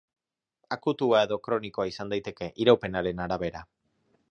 Akutua edo kronikoa izan daiteke, iraupenaren arabera.